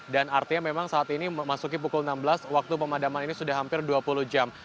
dan artinya memang saat ini memasuki pukul enam belas waktu pemadaman ini sudah hampir dua puluh jam